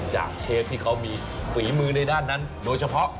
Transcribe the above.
เชฟที่เขามีฝีมือในด้านนั้นโดยเฉพาะ